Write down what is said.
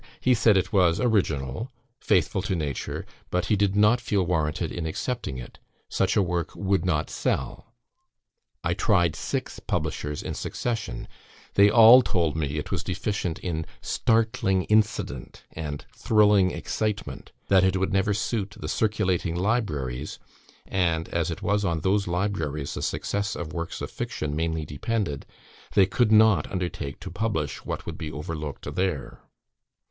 He said it was original, faithful to nature, but he did not feel warranted in accepting it; such a work would not sell. I tried six publishers in succession; they all told me it was deficient in 'startling incident' and 'thrilling excitement,' that it would never suit the circulating libraries, and, as it was on those libraries the success of works of fiction mainly depended, they could not undertake to publish what would be overlooked there.